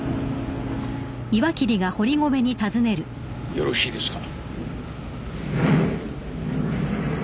よろしいですか？